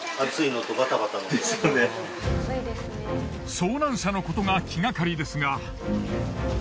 遭難者のことが気がかりですが。